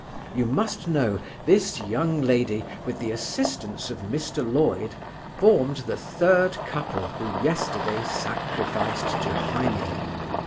You must know, this young lady, with the assistance of Mr Loyd, formed the third couple who yesterday sacrificed to Hymen.